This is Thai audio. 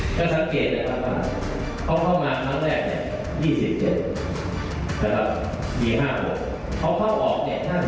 ก็สังเกตว่าเขาเข้ามาครั้งแรก๒๗มี๕โหกเขาเข้าออก๕๔ครั้ง